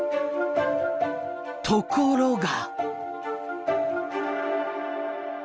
ところが。